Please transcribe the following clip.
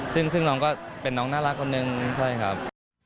ซึ่งน้องก็เป็นน้องน่ารักคนนึงใช่ครับ